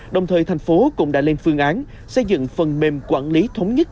đồng thời thành phố cũng đã lên phương án xây dựng phần mềm quản lý thống nhất